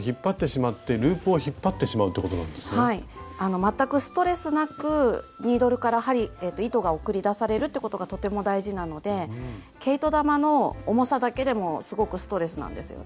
全くストレスなくニードルから糸が送り出されるってことがとても大事なので毛糸玉の重さだけでもすごくストレスなんですよね。